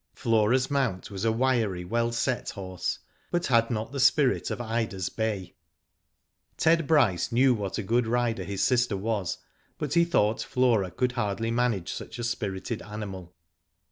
Flora's mount was a wiry well set horse, but had not the spirit of Ida's bay. Ted Bryce knew what a good rider his sister was, but he thought Flora could hardly manage such a spirited animal.